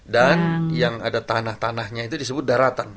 dan yang ada tanah tanahnya itu disebut daratan